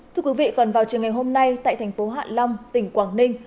thưa quý vị còn vào trường ngày hôm nay tại thành phố hạ long tỉnh quảng ninh